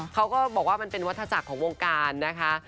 เขาก็บอกว่ามันเป็นวัฒจักรของวงการนะคะ